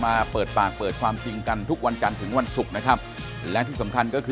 คุณสุพิษฐานบอกไม่เป็นไรถ้าเกิดสุดท้ายไม่ผิดไม่ต้องขอโทษก็ได้